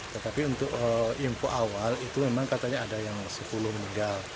tetapi untuk info awal itu memang katanya ada yang sepuluh meninggal